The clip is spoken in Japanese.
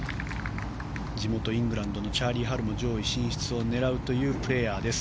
地元イングランドのチャーリー・ハルも上位進出を狙うプレーヤーです。